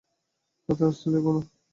তাকে আসতে লেখো-না।